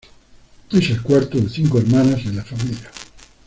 Es el cuarto de cinco hermanas en la familia.